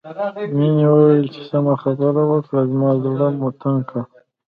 مينې وويل چې سمه خبره وکړئ زما زړه مو تنګ کړ